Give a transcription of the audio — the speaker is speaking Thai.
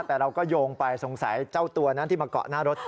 แต่เราก็โยงไปสงสัยเจ้าตัวนั้นที่มาเกาะหน้ารถ